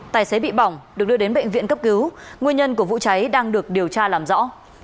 tài xế bị bỏng được đưa đến bệnh viện cấp cứu nguyên nhân của vụ cháy đang được điều tra làm rõ